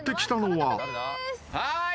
はい。